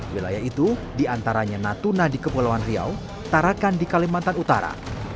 wilayah itu diantaranya natuna di kepulauan riau tarakan di kalimantan utara